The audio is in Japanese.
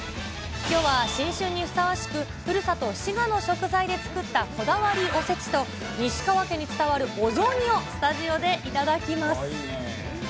きょうは新春にふさわしく、ふるさと、滋賀の食材で作ったこだわりおせちと、西川家に伝わるお雑煮をスタジオで頂きます。